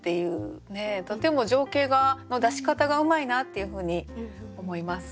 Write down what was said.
とても情景の出し方がうまいなっていうふうに思います。